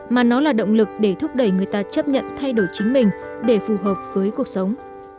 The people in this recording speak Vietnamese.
mà nó là động lực để thúc đẩy người ta chấp nhận thay đổi chính mình để phù hợp với cuộc sống